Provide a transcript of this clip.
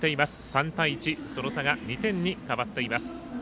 ３対１、その差が２点に変わっています。